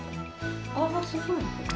ああすごい。